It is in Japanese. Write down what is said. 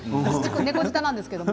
猫舌なんですけど。